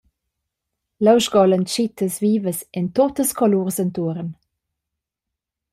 Leu sgolan tschittas vivas en tuttas colurs entuorn.